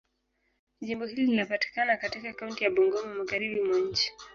Jimbo hili linapatikana katika kaunti ya Bungoma, Magharibi mwa nchi.